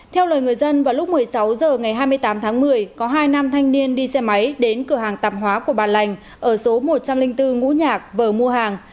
tám tháng một mươi có hai nam thanh niên đi xe máy đến cửa hàng tạp hóa của bà lành ở số một trăm linh bốn ngũ nhạc vờ mua hàng